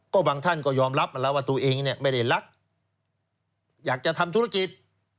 ก็บางท่านก็ยอมรับแล้วว่าตัวเองเนี่ยไม่ได้รักอยากจะทำธุรกิจ